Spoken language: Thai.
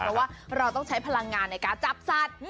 เพราะว่าเราต้องใช้พลังงานในการจับสัตว์